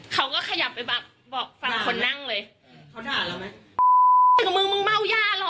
เขาก็ขยับไปบอกบอกฟังคนนั่งเลยเขาด้าเราไหมมึงเมาหญ้าเหรอ